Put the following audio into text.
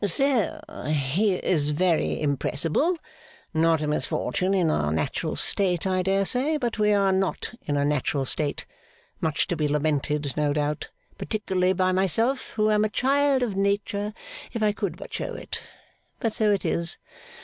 'So he is very impressible. Not a misfortune in our natural state I dare say, but we are not in a natural state. Much to be lamented, no doubt, particularly by myself, who am a child of nature if I could but show it; but so it is.